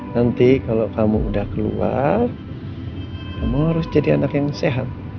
nanti kalau kamu udah keluar kamu harus jadi anak yang sehat